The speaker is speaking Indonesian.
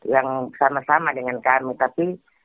yang sama sama dengan kami tapi